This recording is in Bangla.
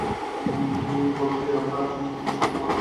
বলো যে আমরা সবাই মরতে যাচ্ছি, বলো!